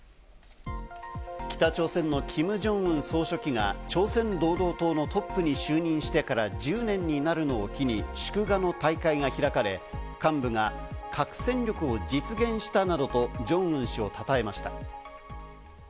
北朝鮮のキム・ジョンウン総書記が朝鮮労働党のトップに就任してから１０年になるのを機に、祝賀の大会が開かれ、幹部が核戦力を実現したなどとジョンウン氏をたたえました。